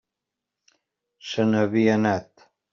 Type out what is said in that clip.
Se n'havia anat.